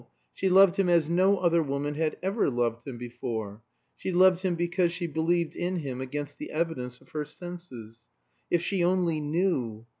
She loved him as no other woman had ever loved him before. She loved him because she believed in him against the evidence of her senses. If she only knew!